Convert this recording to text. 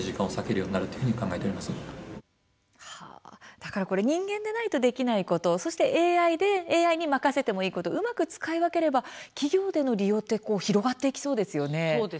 だからこれ人間でないとできないことそしてＡＩに任せていいことうまく使い分ければ企業の利用はそうですよね。